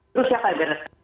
terus siapa yang beres